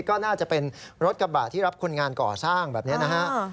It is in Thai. ก็น่าจะเป็นรถกระบะที่รับคนงานก่อสร้างแบบนี้นะฮะ